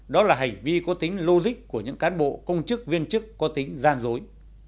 đó là hành vi có tính logic của những cán bộ công chức viên chức có tính gian dối